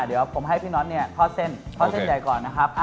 เดี๋ยวผมให้พี่น้อยทอดเส้นใหญ่ก่อนนะครับ